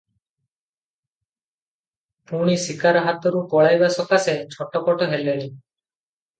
ପୁଣି ଶିକାର ହାତରୁ ପଳାଇବା ସକାଶେ ଛଟପଟ ହେଲେଣି ।